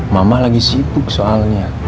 mama lagi sibuk soalnya